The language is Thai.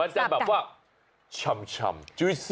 มันจะแบบว่าชำ